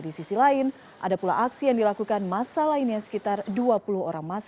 di sisi lain ada pula aksi yang dilakukan masa lainnya sekitar dua puluh orang